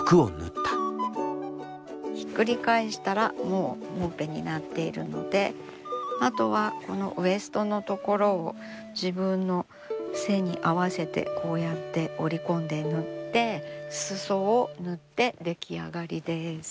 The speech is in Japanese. ひっくり返したらもうもんぺになっているのであとはこのウエストの所を自分の背に合わせてこうやって折り込んで縫って裾を縫って出来上がりです。